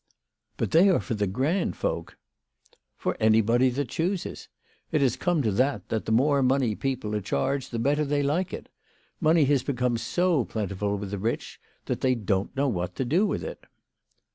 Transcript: "But they are for the grand folk." " For anybody that chooses. It has come to that, that the more money people are charged the better they like it. Money has become so plentiful with the rich, that they don't know what to do with it."